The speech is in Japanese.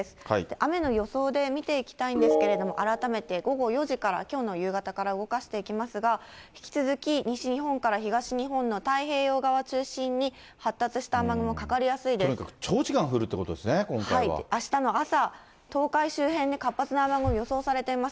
雨の予想で見ていきたいんですけれども、改めて午後４時から、きょうの夕方から動かしていきますが、引き続き西日本から東日本の太平洋側中心に発達した雨雲がかかりとにかく長時間降るというこあしたの朝、東海周辺で活発な雨雲が予想されています。